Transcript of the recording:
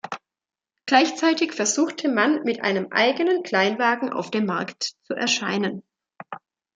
Gleichzeitig versuchte man, mit einem eigenen Kleinwagen auf dem Markt zu erscheinen.